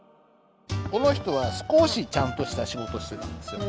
この人は少しちゃんとした仕事をしてたんですよ。